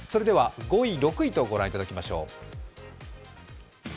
５位、６位とご覧いただきましょう。